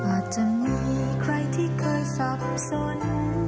อาจจะมีใครที่เคยสับสน